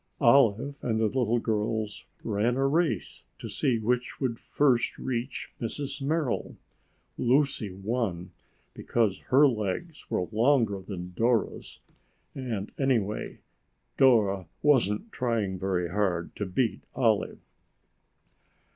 Olive and the little girls ran a race to see which would first reach Mrs. Merrill. Lucy won, because her legs were longer than Dora's and, anyway, Dora wasn't trying very hard to beat Olive.